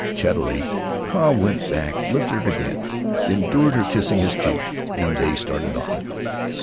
Chattily, Carl went back, lifted her again, endured her kissing his cheek, and they started on.